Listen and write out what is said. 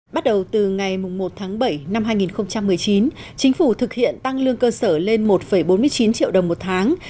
bắt đầu từ ngày một tháng bảy năm hai nghìn một mươi chín chính phủ thực hiện tăng lương cơ sở lên một bốn mươi chín triệu đồng một tháng